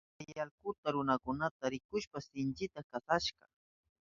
Chay allkuka runakunata rikushpan sinchita kasashka.